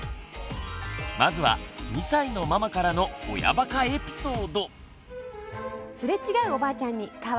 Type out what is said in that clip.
まずは２歳のママからの親バカエピソード。